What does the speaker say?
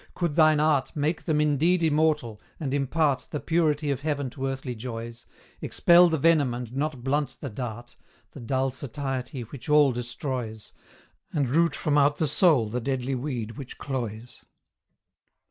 could thine art Make them indeed immortal, and impart The purity of heaven to earthly joys, Expel the venom and not blunt the dart The dull satiety which all destroys And root from out the soul the deadly weed which cloys?